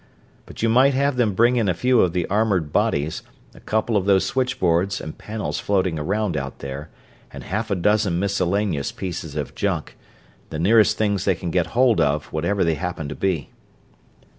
But you might have them bring in a few of the armored bodies, a couple of those switchboards and panels floating around out there, and half a dozen miscellaneous pieces of junk the nearest things they get hold of, whatever they happen to be."